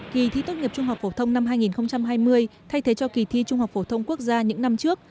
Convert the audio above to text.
kỳ thi tốt nghiệp trung học phổ thông năm hai nghìn hai mươi thay thế cho kỳ thi trung học phổ thông quốc gia những năm trước